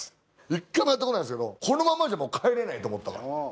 一回もやったことないですけどこのままじゃもう帰れないと思ったから。